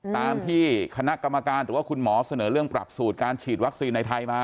ตามที่คณะกรรมการหรือว่าคุณหมอเสนอเรื่องปรับสูตรการฉีดวัคซีนในไทยมา